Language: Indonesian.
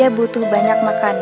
aku tidak peduli